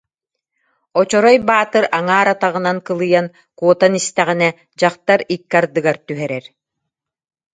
Очорой Баатыр аҥаар атаҕынан кылыйан куотан истэҕинэ, дьахтар икки ардыгар түһэрэр